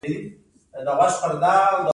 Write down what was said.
خور د کور ښېګڼه ده.